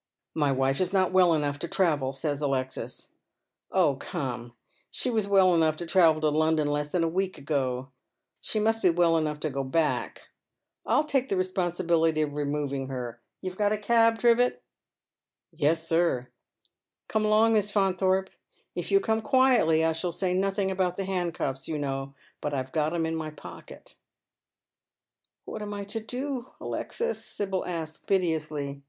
" My wife is not well enough to travel," says Alexis. "Oh, come, she was well enough to travel to London less than a week ago ; she must be well enough to go back. I'll take the responsibiHty of removing her. You've got a cab, Trivett ?"" Yes, sir." " Come along. Miss Faunthorpe. If you come quietly I shall Bay nothing about the handcuffs, you know, but I've got 'em in my pocket." " What am I to do, Alexis ?" Sibyl asks, piteously.